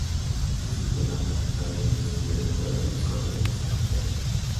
Este sistema planetario fue descubierto por el telescopio espacial Kepler.